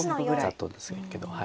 ざっとですけど。